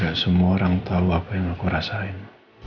gak semua orang tahu apa yang aku rasain